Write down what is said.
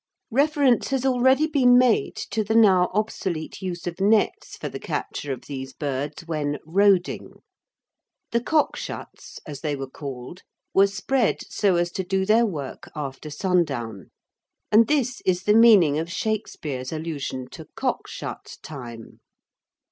Reference has already been made to the now obsolete use of nets for the capture of these birds when "roding." The cock shuts, as they were called, were spread so as to do their work after sundown, and this is the meaning of Shakespeare's allusion to "cock shut time."